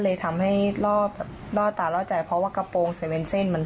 เลยทำให้ล่อตาล่อใจเพราะว่ากระโปรงเซเวนเส้นมัน